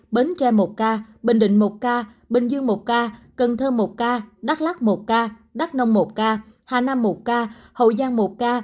bến tre một ca bình định một ca bình dương một ca cần thơ một ca đắk lắc một ca đắk nông một ca hà nam một ca hậu giang một ca